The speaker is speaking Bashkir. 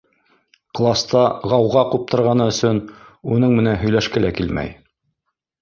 Класта ғауға ҡуптарғаны өсөн уның менән һөйләшке лә килмәй.